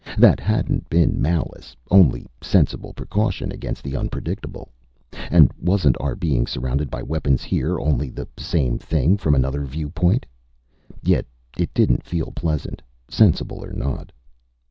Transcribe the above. That hadn't been malice, only sensible precaution against the unpredictable. And wasn't our being surrounded by weapons here only the same thing, from another viewpoint? Yet it didn't feel pleasant, sensible or not.